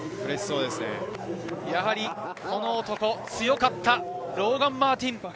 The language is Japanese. やはりこの男強かった、ローガン・マーティン。